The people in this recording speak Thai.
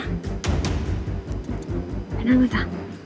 ไปนั่งหน่อยจ๊ะ